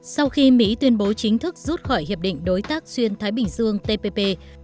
sau khi mỹ tuyên bố chính thức rút khỏi hiệp định đối tác xuyên thái bình dương tpp